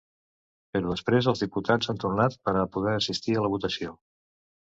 Però després els diputats han tornat per a poder assistir a la votació.